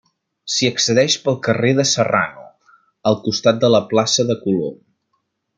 S'hi accedeix pel carrer de Serrano, al costat de la plaça de Colom.